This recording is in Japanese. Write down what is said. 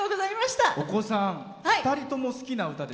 お子さん、２人とも好きな歌で。